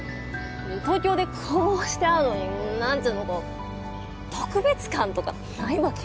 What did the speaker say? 東京でこうして会うのに何つーのこう特別感とかないわけ？